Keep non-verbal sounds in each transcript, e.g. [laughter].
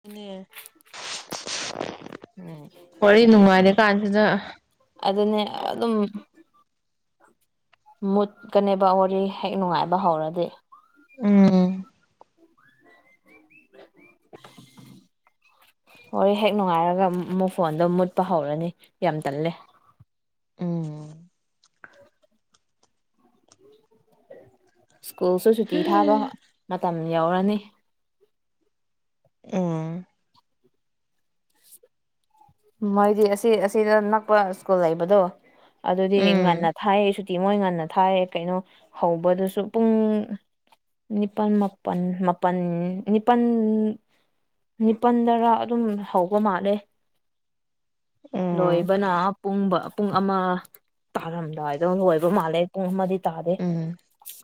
ꯗꯨꯨꯅꯦ ꯎꯝ ꯋꯥꯔꯤ ꯅꯨꯡꯉꯥꯏꯔ ꯀꯥꯟꯁꯤꯗ ꯑꯗꯨꯅꯦ ꯑꯗꯨꯝ ꯃꯨꯠꯀꯅꯦꯕ ꯋꯥꯔꯤ ꯍꯦꯛ ꯅꯨꯡꯉꯥꯏꯕ ꯍꯧꯔꯗꯤ ꯎꯝ [unintelligible] ꯋꯥꯔꯤ ꯍꯦꯛ ꯅꯨꯡꯉꯥꯏꯔꯒ ꯃꯨꯛ ꯐꯣꯟꯗꯣ ꯃꯨꯠꯄ ꯍꯧꯔꯅꯤ ꯌꯥꯝ ꯇꯜꯂꯦ ꯎꯝ ꯁ꯭ꯀꯨꯜꯁꯨ ꯁꯨꯇꯤ ꯊꯥꯕ ꯃꯇꯝ ꯌꯧꯔꯅꯤ ꯑꯝ ꯃꯣꯏꯗꯤ ꯑꯁꯤ ꯑꯁꯤꯗ ꯅꯛꯄ ꯁ꯭ꯀꯨꯜ ꯂꯩꯕꯗꯣ ꯑꯗꯨꯗꯤ ꯎꯝ ꯉꯟꯅ ꯊꯥꯏ ꯃꯣꯏ ꯉꯟꯅ ꯊꯥꯏ ꯀꯩꯅꯣ ꯍꯧꯕꯗꯨꯁꯨ ꯄꯨꯡ ꯅꯤꯄꯥꯜ ꯃꯥꯄꯜ ꯃꯥꯄꯜ ꯅꯤꯄꯜ ꯅꯤꯄꯜꯗꯔꯥ ꯑꯗꯨꯝ ꯍꯧꯕ ꯃꯥꯜꯂꯦ ꯎꯝ ꯂꯣꯏꯕꯅ ꯄꯨꯡ ꯄꯨꯡ ꯑꯃ ꯇꯥꯔꯝꯗꯥꯏꯗꯣ ꯂꯣꯏꯕ ꯃꯥꯜꯂꯦ ꯄꯨꯡ ꯑꯃꯗꯤ ꯇꯥꯗꯦ ꯎꯝ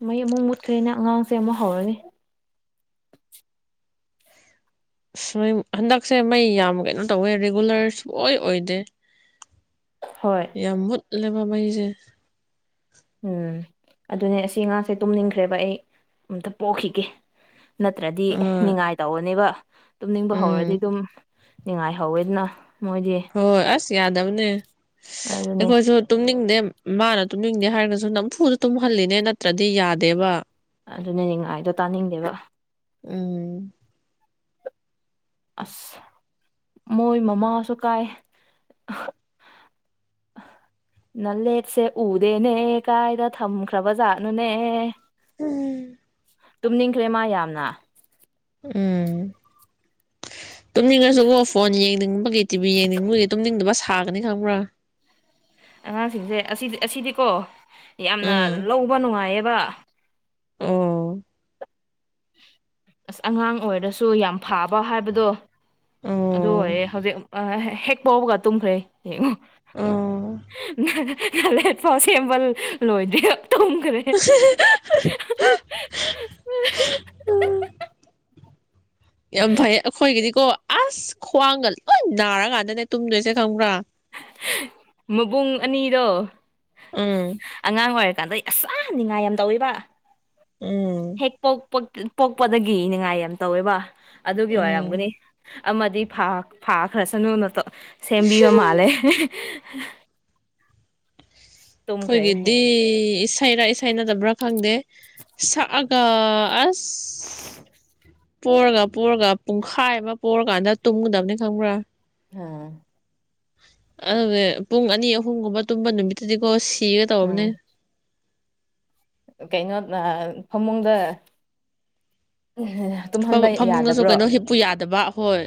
ꯃꯩ ꯑꯃꯨꯛ ꯃꯨꯠꯈ꯭ꯔꯦꯅ ꯑꯉꯥꯡꯁꯦ ꯑꯃꯨꯛ ꯍꯧꯔꯅꯤ ꯑꯁ ꯍꯟꯗꯛꯁꯦ ꯃꯩ ꯌꯥꯝ ꯀꯩꯅꯣ ꯇꯧꯋꯦ ꯔꯤꯒꯨꯂꯔ ꯁꯨꯛꯑꯣꯏ ꯑꯣꯏꯗꯦ ꯍꯣꯏ ꯌꯥꯝ ꯃꯨꯠꯂꯦꯕ ꯃꯩꯁꯦ ꯎꯝ ꯑꯗꯨꯅꯦ ꯑꯁꯤ ꯑꯉꯥꯁꯦ ꯇꯨꯝꯅꯤꯡꯈ꯭ꯔꯦꯕ ꯑꯩ ꯑꯝꯇ ꯄꯣꯈꯤꯒꯦ ꯅꯠꯇ꯭ꯔꯗꯤ ꯑꯥ ꯅꯤꯡꯉꯥꯏ ꯇꯧꯅꯦꯕ ꯇꯨꯝꯅꯤꯡꯕ ꯍꯧꯔꯗꯤ ꯎꯝ ꯗꯨꯝ ꯅꯤꯡꯉꯥꯏ ꯍꯧꯋꯦ ꯑꯗꯨꯅ ꯃꯣꯏꯗꯤ ꯍꯣꯏ ꯍꯣꯏ ꯑꯁ ꯌꯥꯗꯕꯅꯦ ꯑꯗꯨꯅꯦ ꯑꯩꯈꯣꯏꯁꯨ ꯇꯨꯝꯅꯤꯡꯗꯦ ꯃꯥꯅ ꯇꯨꯝꯅꯤꯡꯗꯦ ꯍꯥꯏꯔꯒꯁꯨ ꯅꯝꯐꯨꯗ ꯇꯨꯝꯍꯜꯂꯤꯅꯦ ꯅꯠꯇ꯭ꯔꯗꯤ ꯌꯥꯗꯦꯕ ꯑꯗꯨꯅꯦ ꯅꯤꯡꯉꯥꯏꯗꯣ ꯇꯥꯅꯤꯡꯗꯦꯕ ꯎꯝ ꯑꯁ ꯃꯣꯏ ꯃꯃꯥꯁꯨ ꯀꯥꯏ ꯅꯂꯦꯠꯁꯦ ꯎꯗꯦꯅꯦ ꯀꯥꯏꯗ ꯊꯝꯈ꯭ꯔꯕ ꯖꯥꯠꯅꯣꯅꯦ ꯎꯝ ꯇꯨꯝꯅꯤꯡꯈ꯭ꯔꯦ ꯃꯥ ꯌꯥꯝꯅ ꯎꯝ ꯇꯨꯝꯅꯤꯡꯉꯁꯨꯀꯣ ꯐꯣꯟ ꯌꯦꯡꯅꯤꯡꯕꯒꯤ ꯇꯤꯚꯤ ꯌꯦꯡꯅꯤꯡꯕꯒꯤ ꯇꯨꯝꯅꯤꯡꯗꯕ ꯁꯥꯒꯅꯤ ꯈꯪꯕ꯭ꯔꯥ ꯑꯉꯥꯡꯁꯤꯡꯁꯦ ꯑꯁꯤꯗꯤ ꯑꯁꯤꯗꯤꯀꯣ ꯌꯥꯝꯅ ꯎꯝ ꯂꯧꯕ ꯅꯨꯡꯉꯥꯏꯌꯦꯕ ꯑꯣ ꯑꯁ ꯑꯉꯥꯡ ꯑꯣꯏꯔꯁꯨ ꯌꯥꯝ ꯐꯥꯕ ꯍꯥꯏꯕꯗꯣ ꯑꯗꯨ ꯑꯣ ꯑꯣꯏꯑꯦ ꯍꯧꯖꯤꯛ ꯍꯦꯛ ꯄꯣꯕꯒ ꯇꯨꯝꯈ꯭ꯔꯦ ꯌꯦꯡꯉꯣ ꯑꯣ ꯅꯂꯦꯠ ꯐꯥꯎ ꯁꯦꯝꯕ ꯂꯣꯏꯗꯦ ꯑ ꯇꯨꯝ ꯈ꯭ꯔꯦ ꯌꯥꯝ ꯐꯩ ꯑꯈꯣꯏꯒꯤꯗꯤꯀꯣ ꯑꯁ ꯈ꯭ꯋꯥꯡꯒ ꯂꯣꯏ ꯅꯥꯔꯀꯥꯟꯗꯅꯦ ꯇꯨꯝꯗꯣꯏꯁꯦ ꯈꯪꯕ꯭ꯔꯥ ꯃꯕꯨꯡ ꯑꯅꯤꯗꯣ ꯑꯪ ꯑꯉꯥꯡ ꯑꯣꯏꯔꯀꯥꯟꯗꯩ ꯑꯁ ꯌꯥꯝ ꯅꯤꯡꯉꯥꯏ ꯌꯥꯝ ꯇꯧꯋꯦꯕ ꯎꯝ ꯍꯦꯛ ꯄꯣꯛ ꯄꯣꯛꯄꯗꯒꯤ ꯅꯤꯡꯉꯥꯏ ꯌꯥꯝ ꯇꯧꯋꯦꯕ ꯑꯗꯨꯒꯤ ꯎꯝ ꯑꯣꯏꯔꯝꯒꯅꯤ ꯑꯃꯗꯤ ꯐꯥ ꯐꯥꯈ꯭ꯔ ꯁꯅꯨꯅ ꯁꯦꯝꯕꯤꯕ ꯃꯥꯜꯂꯦ ꯇꯨꯝꯈ꯭ꯔꯦ ꯈꯣꯏꯒꯤꯗꯤ ꯍꯦꯡ ꯏꯁꯩꯔ ꯏꯁꯩ ꯁꯩ ꯅꯠꯇꯕ꯭ꯔꯥ ꯈꯪꯗꯦ ꯁꯛꯑꯒ ꯑꯁ ꯄꯣꯔꯒ ꯄꯣꯔꯒ ꯄꯨꯡꯈꯥꯏ ꯑꯃ ꯄꯣꯔꯀꯥꯟꯗ ꯇꯨꯝꯒꯗꯕꯅꯤ ꯈꯪꯕ꯭ꯔꯥ ꯑ ꯑꯗꯨꯒ ꯄꯨꯡ ꯑꯅꯤ ꯑꯍꯨꯝ ꯒꯨꯝꯕ ꯇꯨꯝꯕ ꯅꯨꯃꯤꯠꯇꯨꯗꯤꯀꯣ ꯁꯤꯒꯦ ꯎꯝ ꯇꯧꯔꯕꯅꯦ ꯀꯩꯅꯣ ꯑ ꯐꯃꯨꯡꯗ ꯐ ꯇꯨꯝꯍꯟꯕ ꯐꯃꯨꯡꯗꯁꯨ ꯌꯥꯗꯕ꯭ꯔꯣ ꯀꯩꯅꯣ ꯍꯤꯞꯄꯨ ꯌꯥꯗꯕ ꯍꯣꯏ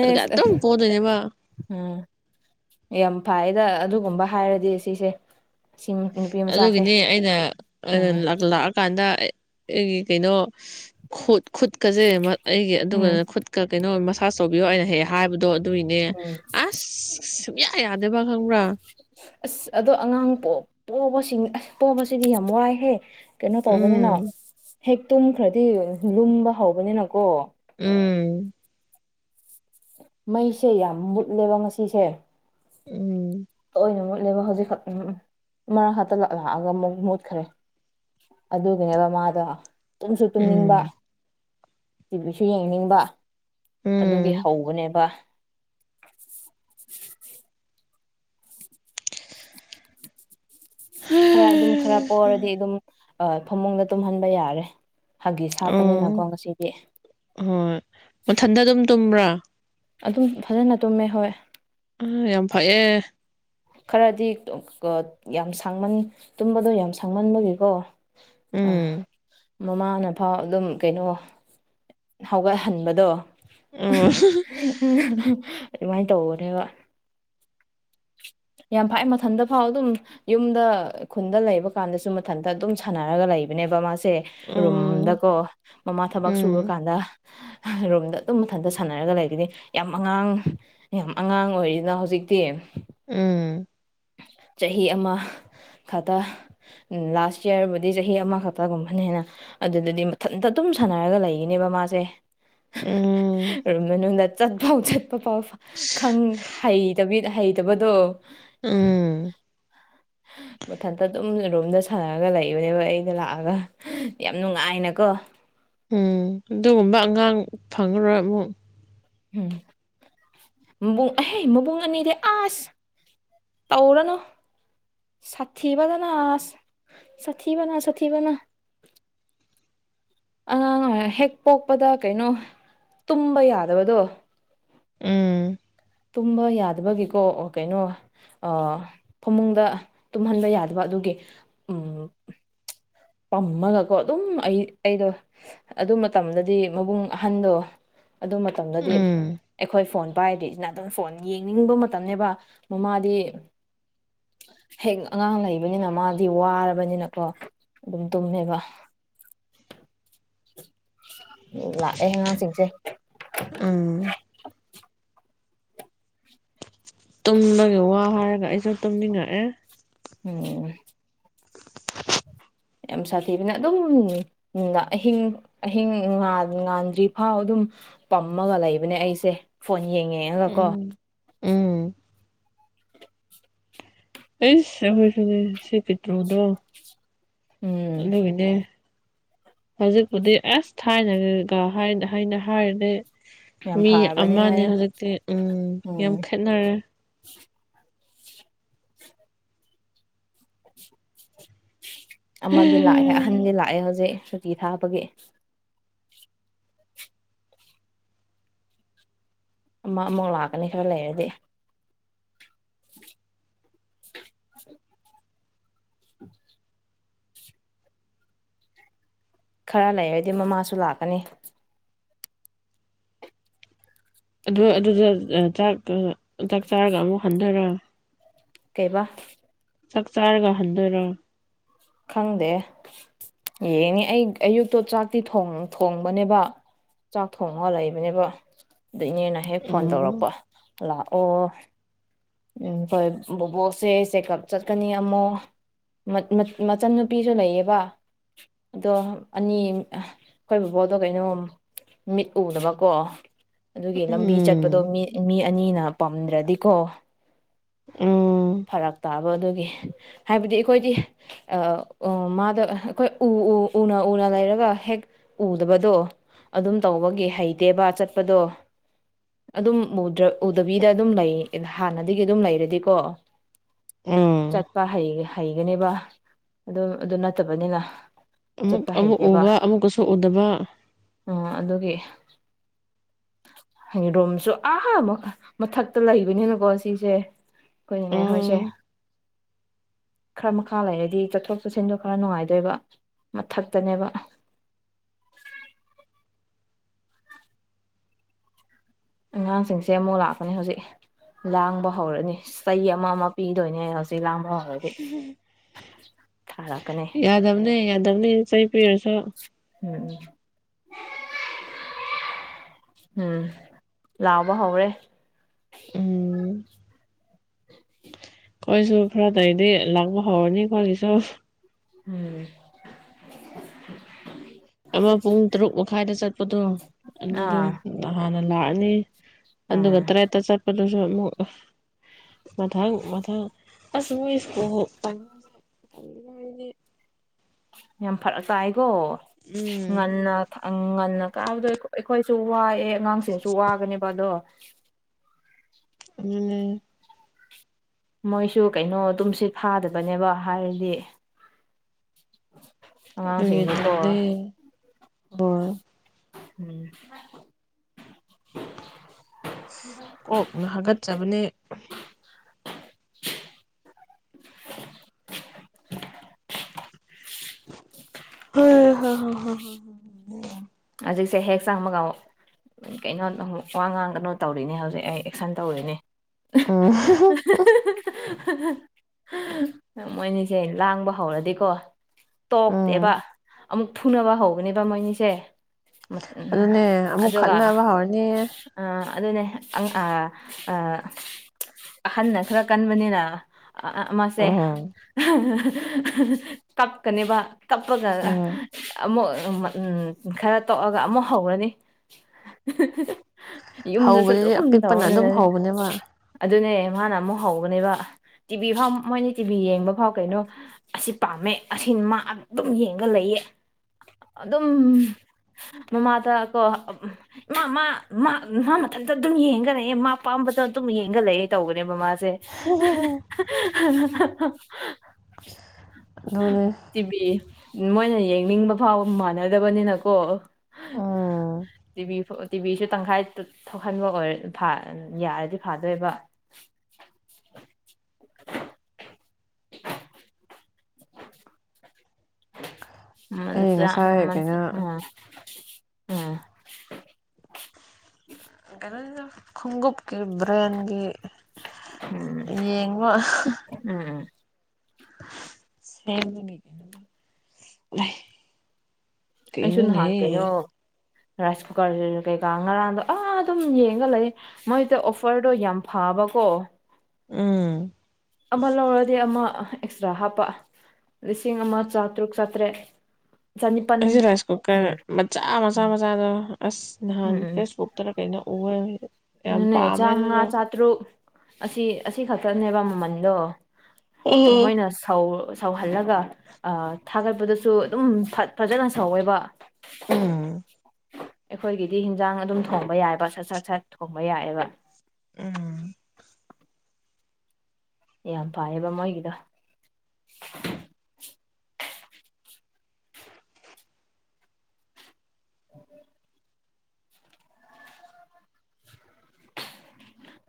ꯑꯗꯨꯒ ꯑꯗꯨꯝ ꯄꯣꯗꯣꯏꯅꯦꯕ ꯎꯝ ꯌꯥꯝ ꯐꯩꯗ ꯑꯗꯨꯒꯨꯝꯕ ꯍꯥꯏꯔꯗꯤ ꯁꯤꯁꯦ ꯁꯤ ꯅꯨꯄꯤ ꯃꯆꯥꯁꯦ ꯑꯗꯨꯒꯤꯅꯦ ꯑꯩꯅ ꯑꯥ ꯂꯥꯛꯑꯀꯥꯟꯗ ꯑꯩꯒꯤ ꯀꯩꯅꯣ ꯈꯨꯠ ꯈꯨꯠꯀꯁꯦ ꯑꯩꯒꯤ ꯎꯝ ꯑꯗꯨꯒꯟꯗ ꯈꯨꯠ ꯀꯩꯅꯣ ꯃꯁꯥꯥꯁ ꯇꯧꯕꯤꯌꯣ ꯑꯩꯅ ꯍꯦꯛ ꯍꯥꯏꯕꯗꯣ ꯑꯗꯨꯏꯅꯦ ꯑꯁ ꯁꯨꯡꯌꯥ ꯌꯥꯗꯕ ꯈꯪꯕ꯭ꯔꯥ ꯑꯁ ꯑꯗꯣ ꯑꯉꯥꯡ ꯄꯣ ꯄꯣꯕꯁꯤꯡ ꯄꯣꯕꯁꯤꯗꯤ ꯌꯥꯝ ꯋꯥꯏꯍꯦ ꯀꯩꯅꯣ ꯇꯧꯕꯅꯤꯅ ꯎꯝ ꯍꯦꯛ ꯇꯨꯝꯈ꯭ꯔꯗꯤ ꯂꯨꯝꯕ ꯍꯧꯕꯅꯤꯅꯀꯣ ꯎꯝ ꯃꯩꯁꯦ ꯌꯥꯝ ꯃꯨꯠꯂꯦꯕ ꯉꯁꯤꯁꯦ ꯎꯝ ꯇꯣꯏꯅ ꯃꯨꯠꯂꯦꯕ ꯍꯧꯖꯤꯛꯈꯛ ꯃꯔꯛꯇ ꯂꯥꯛꯑꯒ ꯑꯃꯨꯛ ꯃꯨꯠꯈ꯭ꯔꯦ ꯑꯗꯨꯒꯤꯅꯦꯕ ꯃꯥꯗꯣ ꯇꯨꯝꯁꯨ ꯇꯨꯝꯅꯤꯡꯕ ꯎꯝ ꯇꯤꯚꯤꯁꯨ ꯌꯦꯡꯅꯤꯡꯕ ꯑꯗꯨꯒꯤ ꯎꯝ ꯍꯧꯕꯅꯦꯕ ꯈꯔ ꯑꯗꯨꯝ ꯈꯔ ꯄꯣꯔꯗꯤ ꯑꯗꯨꯝ ꯐꯃꯨꯡꯗ ꯇꯨꯝꯍꯟꯕ ꯌꯥꯔꯦ ꯍꯥꯒꯤꯁ ꯍꯥꯞꯄꯅꯤꯅꯀꯣ ꯑꯣ ꯉꯁꯤꯗꯤ ꯍꯣꯏ ꯃꯊꯟꯗ ꯑꯗꯨꯝ ꯇꯨꯝꯕ꯭ꯔꯥ ꯑꯗꯨꯝ ꯐꯖꯅ ꯇꯨꯝꯃꯦ ꯍꯣꯏ ꯑꯝ ꯌꯥꯝ ꯐꯩꯌꯦ ꯈꯔꯗꯤ ꯌꯥꯝ ꯁꯥꯡꯃꯟ ꯇꯨꯝꯕꯗꯣ ꯌꯥꯝ ꯁꯥꯡꯃꯟꯕꯒꯤꯀꯣ ꯑꯥ ꯎꯝ ꯃꯃꯥꯅ ꯐꯥꯎ ꯑꯗꯨꯝ ꯀꯩꯅꯣ ꯍꯧꯒꯠꯍꯟꯕꯗꯣ ꯎꯝ ꯑꯗꯨꯃꯥꯏꯅ ꯇꯧꯕꯅꯦꯕ ꯌꯥꯝ ꯐꯥꯏ ꯃꯊꯟꯗ ꯐꯥꯎ ꯑꯗꯨꯝ ꯌꯨꯝꯗ ꯈꯨꯟꯗ ꯂꯩꯕ ꯀꯥꯟꯗꯁꯨ ꯃꯊꯟꯇ ꯑꯗꯨꯝ ꯁꯥꯟꯅꯔꯒ ꯂꯩꯕꯅꯦꯕ ꯃꯥꯁꯦ ꯁꯦ ꯎꯝ ꯔꯨꯝꯗꯀꯣ ꯃꯃꯥ ꯊꯕꯛ ꯎꯝ ꯁꯨꯔꯀꯥꯟꯗ ꯔꯨꯝꯗ ꯑꯗꯨꯝ ꯃꯊꯟꯇ ꯁꯥꯟꯅꯔꯒ ꯂꯩꯕꯅꯤ ꯌꯥꯝ ꯑꯉꯥꯡ ꯌꯥꯝ ꯑꯉꯥꯡ ꯑꯣꯏꯔꯤꯅ ꯍꯧꯖꯤꯛꯇꯤ ꯎꯝ ꯆꯍꯤ ꯑꯃ ꯈꯠꯇ ꯎꯝ ꯂꯥꯁ ꯌꯥꯔꯕꯨꯗꯤ ꯆꯍꯤ ꯑꯃꯈꯛꯇ ꯒꯨꯝꯕꯅꯦꯅ ꯑꯗꯨꯗꯗꯤ ꯃꯊꯟꯇ ꯑꯗꯨꯝ ꯁꯥꯟꯅꯔꯒ ꯂꯩꯒꯤꯅꯦꯕ ꯃꯥꯁꯦ ꯎꯝ ꯔꯨꯝ ꯃꯅꯨꯡꯗ ꯆꯠ ꯐꯥꯎ ꯆꯠꯄ ꯐꯥꯎ ꯈꯪ ꯍꯩꯇꯕꯤ ꯍꯩꯇꯕꯗꯣ ꯎꯝ ꯃꯊꯟꯇ ꯑꯗꯨꯝ ꯔꯨꯝꯗ ꯁꯥꯟꯅꯔꯒ ꯂꯩꯕꯅꯦꯕ ꯑꯩꯗꯨ ꯂꯥꯛꯑꯒ ꯌꯥꯝ ꯅꯨꯡꯉꯥꯏꯅꯀꯣ ꯎꯝ ꯑꯗꯨꯒꯨꯝꯕ ꯑꯉꯥꯡ ꯐꯪꯉꯔꯣꯏ ꯑꯃꯨꯛ ꯎꯝ ꯃꯕꯨꯡ ꯑꯍꯦ ꯃꯕꯨꯡ ꯑꯅꯤꯗꯤ ꯑꯁ ꯇꯧꯔꯅꯨ ꯁꯥꯊꯤꯕꯗꯅ ꯑꯁ ꯁꯥꯊꯤꯕꯅ ꯁꯥꯊꯤꯕꯅ ꯑꯉꯥꯡ ꯑꯃ ꯍꯦꯛ ꯄꯣꯛꯄꯗ ꯀꯩꯅꯣ ꯇꯨꯝꯕ ꯌꯥꯗꯕꯗꯣ ꯎꯝ ꯇꯨꯝꯕ ꯌꯥꯗꯕꯒꯤꯀꯣ ꯑꯣ ꯀꯩꯅꯣ ꯑꯥ ꯐꯃꯨꯡꯗ ꯇꯨꯝꯍꯟꯕ ꯌꯥꯗꯕ ꯑꯗꯨꯒꯤ ꯎꯝ ꯄꯝꯃꯒꯀꯣ ꯑꯗꯨꯝ ꯑꯩ ꯑꯩꯗꯣ ꯑꯗꯨ ꯃꯇꯝꯗꯗꯤ ꯃꯕꯨꯡ ꯑꯍꯟꯗꯣ ꯑꯗꯨ ꯃꯇꯝꯗꯗꯤ ꯎꯝ ꯑꯩꯈꯣꯏ ꯐꯣꯟ ꯚꯥꯔꯗꯦꯅꯤꯅ ꯑꯗꯨꯝ ꯐꯣꯟ ꯌꯦꯡꯅꯤꯡꯕ ꯃꯇꯝꯅꯦꯕ ꯃꯃꯥꯗꯤ ꯍꯦꯛ ꯑꯉꯥꯡ ꯂꯩꯕꯅꯤꯅ ꯃꯥꯗꯤ ꯋꯥꯔꯕꯅꯤꯅꯀꯣ ꯑꯗꯨꯝ ꯇꯨꯝꯃꯦꯕ ꯎ ꯂꯥꯛꯑꯦ ꯑꯉꯥꯡ ꯁꯤꯡꯁꯦ ꯎꯝ ꯇꯨꯝꯕꯒꯤ ꯋꯥ ꯍꯥꯏꯔꯒ ꯑꯩꯁꯨ ꯇꯨꯝꯅꯤꯡ ꯉꯛꯑꯦ ꯎꯝ ꯌꯥꯝ ꯁꯥꯊꯤꯕꯅꯦ ꯑꯗꯨꯝ ꯅꯨꯡꯅ ꯑꯍꯤꯡ ꯑꯍꯤꯡ ꯉꯥꯟ ꯉꯥꯟꯗ꯭ꯔꯤ ꯐꯥꯎ ꯑꯗꯨꯝ ꯄꯝꯃꯒ ꯂꯩꯕꯅꯦ ꯑꯩꯁꯦ ꯐꯣꯟ ꯌꯦꯡꯉꯒ ꯀꯣ ꯎꯝ ꯎꯝ ꯑꯩꯁ ꯍꯣꯏ ꯁꯦ ꯁꯤ ꯕꯤꯇ꯭ꯨꯔ ꯗꯣ ꯎꯝ ꯑꯗꯨꯒꯤꯅꯦ ꯍꯧꯖꯤꯛꯄꯨꯗꯤ ꯑꯁ ꯊꯥꯏꯅꯒ ꯍꯥꯏꯅ ꯍꯥꯏꯔꯗꯤ ꯌꯥꯝ ꯃꯤ ꯐꯔꯕꯅꯤ ꯑꯃꯅꯦ ꯍꯥꯏꯌꯨ ꯍꯧꯖꯤꯛꯇꯤ ꯎꯝ ꯌꯥꯝ ꯎꯝ ꯈꯦꯠꯅꯔꯦ [unintelligible] ꯑꯃꯗꯤ ꯂꯥꯛꯑꯦ ꯑꯍꯟꯗꯤ ꯂꯥꯛꯑꯦ ꯍꯧꯖꯤꯛ ꯁꯨꯇꯤ ꯊꯥꯕꯒꯤ ꯑꯃ ꯑꯃꯨꯛ ꯂꯥꯛꯀꯅꯤ ꯈꯔ ꯂꯩꯔꯗꯤ [inaudible] [unintelligible] [inaudible] ꯈꯔ ꯂꯩꯔꯗꯤ ꯃꯃꯥꯁꯨ ꯂꯥꯛꯀꯅꯤ ꯑꯗꯣ ꯑꯗꯨꯗ ꯑ ꯆꯥꯛ ꯑ ꯆꯥꯛ ꯆꯥꯔꯒ ꯑꯃꯨꯛ ꯍꯟꯗꯨꯏꯔꯥ ꯀꯩꯕꯥ ꯆꯥꯛ ꯆꯥꯔꯒ ꯍꯟꯗꯣꯏꯔꯣ ꯈꯪꯗꯦ ꯌꯦꯡꯉꯦ ꯑꯩ ꯑꯌꯨꯛꯇꯣ ꯆꯥꯛꯇꯤ ꯊꯣꯡ ꯊꯣꯡꯕꯅꯦꯕ ꯆꯥꯛ ꯊꯣꯡꯉ ꯂꯩꯕꯅꯦꯕ ꯑꯗ ꯏꯅꯦꯅ ꯍꯦꯛ ꯐꯣꯟ ꯎꯝ ꯇꯧꯔꯛꯄ ꯂꯥꯛꯑꯣ ꯎꯝ ꯍꯣꯏ ꯕꯣꯕꯣꯛꯁꯦ ꯆꯦꯛꯀꯞ ꯆꯠꯀꯅꯤ ꯑꯃꯨ ꯃꯠ ꯃꯠ ꯃꯠ ꯃꯆꯟ ꯅꯨꯄꯤꯁꯨ ꯂꯩꯌꯦꯕ ꯑꯗꯣ ꯑꯅꯤ ꯈꯣꯏ ꯕꯣꯕꯣꯛꯗꯣ ꯀꯩꯅꯣꯝ ꯃꯤꯠ ꯎꯗꯕꯀꯣ ꯑꯗꯨꯒꯤ ꯂꯝꯕꯤ ꯆꯠꯄꯗꯣ ꯎꯝ ꯃꯤ ꯃꯤ ꯑꯅꯤꯅ ꯄꯝꯗ꯭ꯔꯗꯤꯀꯣ ꯎꯝ ꯐꯔꯛ ꯇꯥꯕ ꯑꯗꯨꯒꯤ ꯍꯥꯏꯕꯗꯤ ꯑꯩꯈꯣꯏꯗꯤ ꯑ ꯑꯣ ꯃꯥꯗꯣ ꯑꯩꯈꯣꯏ ꯎ ꯎ ꯎꯅ ꯎꯅ ꯂꯩꯔꯒ ꯍꯦꯛ ꯎꯗꯕꯗꯣ ꯑꯗꯨꯝ ꯇꯧꯕꯒꯤ ꯍꯩꯇꯦꯕ ꯆꯠꯄꯗꯣ ꯑꯗꯨꯝ ꯎꯗ꯭ꯔ ꯎꯗꯕꯤꯗ ꯑꯗꯨꯝ ꯂꯩꯑꯦꯅ ꯍꯥꯟꯅꯗꯒꯤ ꯑꯗꯨꯝ ꯂꯩꯔꯗꯤꯀꯣ ꯎꯝ ꯆꯠꯄ ꯍꯩ ꯍꯩꯒꯅꯦꯕ ꯑꯗꯨ ꯑꯗꯨ ꯅꯠꯇꯕꯅꯤꯅ ꯑꯃꯨꯛ ꯆꯠꯄ ꯑꯃꯨꯛ ꯎꯕ ꯑꯃꯨꯛ ꯀꯁꯨ ꯎꯗꯕ ꯑ ꯑꯗꯨꯒꯤ [unintelligible] ꯔꯣꯝꯁꯨ ꯑꯥ ꯃꯈ ꯃꯊꯛꯇ ꯂꯩꯕꯅꯤꯅ ꯀꯣ ꯁꯤꯁꯦ ꯈꯣꯏ ꯅꯦꯅꯦ ꯍꯣꯏꯁꯦ ꯑꯥ ꯈꯔ ꯃꯈꯥ ꯂꯩꯔꯗꯤ ꯆꯠꯊꯣꯛ ꯆꯠꯁꯤꯟꯗꯣ ꯈꯔ ꯅꯨꯡꯉꯥꯏꯗꯣꯏꯕ ꯃꯊꯛꯇꯅꯦꯕ ꯑꯉꯥꯡꯁꯤꯡꯁꯦ ꯑꯃꯨꯛ ꯂꯥꯛꯀꯅꯤ ꯍꯧꯖꯤꯛ ꯂꯥꯡꯕ ꯍꯧꯔꯅꯤ ꯆꯩ ꯑꯃ ꯑꯃ ꯄꯤꯗꯣꯏꯅꯦ ꯍꯧꯖꯤꯛ ꯂꯥꯡꯕ [unintelligible] ꯊꯥꯔꯛꯀꯅꯤ ꯌꯥꯗꯝꯅꯦ ꯌꯥꯗꯝꯅꯦ ꯆꯩ ꯄꯤꯔꯁꯨ ꯎꯝ ꯎꯝ ꯂꯥꯎꯕ ꯍꯧꯔꯦ ꯎꯝ [unintelligible] ꯑꯩꯈꯣꯏꯁꯨ ꯈꯔꯥ ꯂꯩꯔꯗꯤ ꯂꯡꯕ ꯍꯧꯔꯅꯤ ꯈꯣꯏꯒꯤꯁꯨ ꯎꯝ ꯑꯃ ꯄꯨꯡ ꯇꯔꯨꯛ ꯃꯈꯥꯏꯗ ꯆꯠꯄꯗꯣ ꯑꯗꯨꯗꯣ ꯑꯥ ꯍꯥꯟꯅ ꯂꯥꯛꯑꯅꯤ ꯎꯝ ꯑꯗꯨꯒ ꯇꯔꯦꯠ ꯇ ꯆꯠꯄ ꯑꯗꯨꯁꯨ ꯃꯊꯪ ꯃꯊꯪ ꯑꯁ ꯃꯣꯏ ꯏꯀꯨꯜ ꯇꯥꯏꯃꯤꯡꯁꯦ ꯇꯜꯂꯤ ꯑꯩꯗꯤ ꯌꯥꯝ ꯐꯔꯛ ꯆꯥꯏꯀꯣ ꯎꯝ ꯉꯟꯅ ꯉꯟꯅ ꯀꯥꯏꯕꯗꯣ ꯑꯩꯈꯣꯏꯁꯨ ꯋꯥꯑꯦ ꯑꯉꯥꯡꯁꯤꯡꯁꯨ ꯋꯥꯒꯅꯦꯕ ꯑꯗꯣ ꯎꯝ ꯃꯣꯏꯁꯨ ꯀꯩꯅꯣ ꯑꯗꯨꯝ ꯇꯨꯝꯁꯤꯠ ꯐꯥꯗꯕꯅꯦꯕ ꯍꯥꯏꯔꯗꯤ ꯑꯗꯨꯒꯤ ꯑꯉꯥꯡꯁꯤꯡꯁꯦꯀꯣ ꯇꯜꯂꯦ ꯍꯣꯏ ꯎꯝ ꯀꯣꯛꯅ ꯍꯥꯒꯠꯆꯕꯅꯦ [inaudible] ꯍꯣꯏ ꯍꯣ ꯍꯣ ꯍꯣ [unintelligible] ꯍꯧꯖꯤꯛꯁꯦ ꯍꯦꯛ ꯆꯥꯡꯕꯒ ꯀꯩꯅꯣ ꯇꯧꯍꯧ ꯋꯥ ꯉꯥꯡꯒꯅꯣ ꯇꯧꯔꯤꯅꯦ ꯍꯧꯖꯤꯛ ꯑꯩ ꯑꯦꯛꯁꯟ ꯇꯧꯔꯤꯅꯦ ꯎꯝ [inaudible] ꯃꯣꯏꯅꯤꯁꯦ ꯍꯦꯛ ꯂꯥꯡꯕ ꯍꯧꯔꯗꯤꯀꯣ ꯎꯝ ꯇꯣꯛꯇꯦꯕ ꯑꯃꯨꯛ ꯐꯨꯅꯕ ꯍꯧꯕꯅꯦꯕ ꯃꯣꯏꯅꯤꯁꯦ ꯑꯗꯨꯅꯦ ꯑꯃꯨꯛ ꯑꯗꯨꯒ ꯈꯠꯅꯕ ꯍꯧꯔꯅꯤ ꯑꯗꯨꯅꯦ ꯑꯥ ꯑꯥ ꯑꯍꯟꯅ ꯈꯔ ꯀꯟꯕꯅꯤꯅ ꯃꯥꯁꯦ ꯎꯝ ꯀꯞꯀꯅꯦꯕ ꯀꯞꯄꯒ ꯎꯝ ꯑꯃꯨꯛ ꯈꯔ ꯇꯣꯛꯑꯒ ꯑꯃꯨꯛ ꯍꯧꯔꯅꯤ ꯌꯨꯝꯗꯁꯨ ꯍꯧꯕꯗꯗꯤ ꯑꯗꯨꯝ ꯑꯄꯤꯛꯄꯅ ꯑꯗꯨꯝ ꯇꯧꯕꯅꯦ ꯍꯧꯕꯅꯦꯕ ꯑꯗꯨꯅꯦ ꯃꯥꯅ ꯑꯃꯨꯛ ꯍꯧꯕꯅꯦꯕ ꯇꯤꯚꯤ ꯐꯥꯎ ꯃꯣꯏꯅ ꯇꯤꯚꯤ ꯌꯦꯡꯕ ꯐꯥꯎ ꯀꯩꯅꯣ ꯑꯁꯤ ꯄꯥꯝꯃꯦ ꯑꯁꯤ ꯃꯥ ꯑꯗꯨꯝ ꯌꯦꯡꯒ ꯂꯩꯌꯦ ꯑꯗꯨꯝ ꯃꯃꯥ ꯗꯀꯣ ꯏꯃꯥ ꯃꯥ ꯃꯥ ꯃ ꯃꯗꯥꯟꯇ ꯑꯗꯨꯝ ꯌꯦꯡꯉ ꯂꯩꯑꯦ ꯃꯥ ꯄꯥꯝꯕꯗ ꯑꯗꯨꯝ ꯌꯦꯡꯉ ꯂꯩꯑꯦ ꯇꯧꯒꯅꯦꯕ ꯃꯥꯁꯦ ꯁꯦ ꯑꯗꯨꯅꯦ ꯇꯤꯚꯤ ꯃꯣꯏꯅ ꯌꯦꯡꯅꯤꯡꯕ ꯐꯥꯎꯕ ꯃꯥꯟꯅꯗꯕꯅꯤꯅꯀꯣ ꯇꯤꯕꯤ ꯇꯤꯕꯤꯁꯨ ꯇꯪꯈꯥꯏ ꯊꯣꯛꯍꯟꯕ ꯑꯣꯏꯔ ꯌꯥꯔꯗꯤ ꯐꯥꯗꯣꯏꯕ ꯑꯩ ꯉꯁꯥꯏ ꯀꯩꯅꯣ [inaudible] ꯀꯩꯅꯩꯅꯣꯗ [inaudible] ꯈꯣꯡꯎꯞꯀꯤ ꯕ꯭ꯔꯦꯟꯒꯤ ꯎꯝ ꯌꯦꯡꯕ ꯎꯝ ꯎꯝ ꯁ ꯀ [inaudible] ꯑꯩꯁꯨ ꯅꯍꯥꯛ ꯀꯩꯅꯣ ꯔꯥꯏꯁ ꯀꯨꯀꯔꯁꯤꯁꯨ ꯀꯩꯀꯥ ꯉꯔꯥꯡꯗꯣ ꯑꯥ ꯑꯗꯨꯝ ꯌꯦꯡꯒ ꯂꯩ ꯃꯣꯏꯗꯣ ꯑꯣꯐꯔꯗꯣ ꯌꯥꯝ ꯐꯥꯕꯀꯣ ꯎꯝ ꯑꯃ ꯂꯧꯔꯗꯤ ꯑꯃ ꯑꯦꯛꯁꯇ꯭ꯔꯥ ꯍꯥꯞꯄ ꯂꯤꯁꯤꯡ ꯑꯃ ꯆꯥꯇꯔꯨꯛ ꯆꯥꯇ꯭ꯔꯦꯠ ꯆꯅꯤꯄꯜ ꯑꯩꯁꯦ ꯔꯥꯏꯁ ꯀꯨꯀꯔ ꯎꯝ ꯃꯆꯥ ꯃꯆꯥ ꯎꯝ ꯃꯆꯥꯗꯣ ꯑꯁ ꯅꯍꯥꯟ ꯎꯝ ꯎꯝ ꯐꯦꯁꯕꯨꯛꯇꯔ ꯀꯩꯩꯅꯣ ꯎꯀꯔꯦ ꯑꯗꯨꯅꯦ ꯆꯃꯉꯥ ꯆ ꯇ꯭ꯔꯨꯛ ꯑꯁꯤ ꯑꯁꯤꯈꯛꯇꯅꯦꯕ ꯃꯃꯟꯗꯣ ꯎꯝ ꯃꯣꯏꯅ ꯁꯧ ꯁꯧꯍꯜꯂꯒ ꯊꯥꯒꯠꯄꯗꯁꯨ ꯑꯗꯨꯝ ꯐꯖꯅ ꯁꯧꯋꯦꯕ ꯎꯝ ꯑꯩꯈꯣꯏꯒꯤꯗꯤ ꯍꯤꯟꯖꯥꯡ ꯑꯗꯨꯝ ꯊꯣꯡꯕ ꯌꯥꯏꯕ ꯁꯠ ꯁꯠ ꯁꯠ ꯊꯣꯡꯕ ꯌꯥꯏꯑꯕ ꯎꯝ ꯌꯥꯝ ꯐꯥꯏꯌꯦꯕ ꯃꯣꯏꯒꯤꯗꯣ [unintelligible]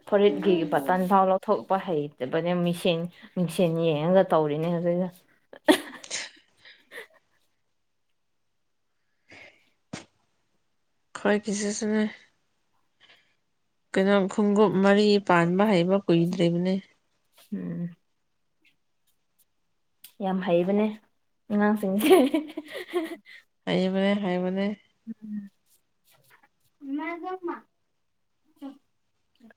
ꯐꯨꯔꯤꯠꯀꯤ ꯕꯇꯟꯐꯥꯎ ꯂꯧꯊꯣꯛ ꯍꯩꯇꯕꯅꯦ ꯃꯤꯡꯁ ꯃꯤꯡꯁꯦꯟ ꯌꯦꯡꯉꯒ ꯇꯧꯔꯤꯅꯦ ꯑꯗꯨꯗꯣ ꯑꯈꯣꯏꯒꯤꯁꯨꯁꯤꯅꯦ ꯀꯩꯅꯣ ꯈꯣꯡꯎꯞ ꯃꯔꯤ ꯄꯥꯟꯕ ꯍꯩꯕ ꯀꯨꯏꯗ꯭ꯔꯤꯕꯅꯦ ꯎꯝ ꯌꯥꯝ ꯍꯩꯕꯅꯦ ꯑꯉꯥꯡꯁꯤꯡꯁꯦ ꯍꯩꯕꯅꯦ ꯍꯩꯕꯅꯦ ꯎꯝ ꯃꯒꯃ [inaudible]